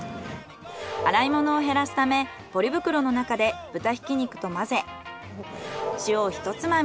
洗い物を減らすためポリ袋の中で豚ひき肉と混ぜ塩をひとつまみ。